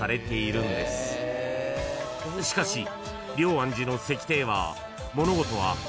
［しかし龍安寺の石庭は物事は］